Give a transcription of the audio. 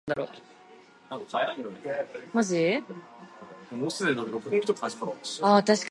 It is designed to be fast, easy to use, and powerful.